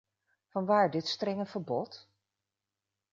Vanwaar dit strenge verbod?